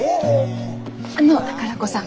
あの宝子さん。